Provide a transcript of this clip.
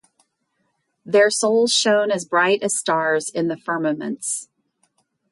Their souls shone as bright as stars in the firmaments.